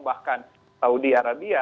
bahkan saudi arabia